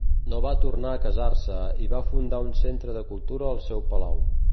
No va tornar a casar-se i va fundar un centre de cultura al seu palau.